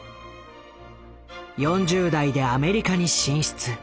４０代でアメリカに進出。